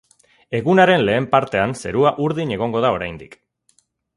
Egunaren lehen partean zerua urdin egongo da oraindik.